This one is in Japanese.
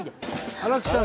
荒木さん